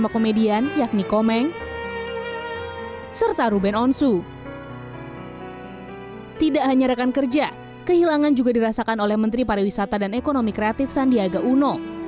komedian sapri pantun